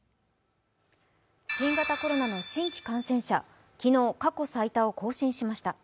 新型コロナの新規感染者、昨日、過去最多を更新しました。